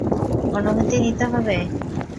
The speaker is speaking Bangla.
অনুমতি নিতে হবে?